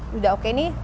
sudah oke ini